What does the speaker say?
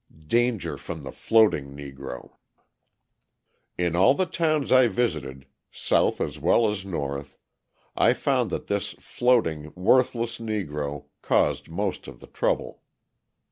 Danger from the Floating Negro In all the towns I visited, South as well as North, I found that this floating, worthless Negro caused most of the trouble.